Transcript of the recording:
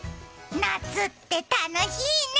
夏って楽しいね。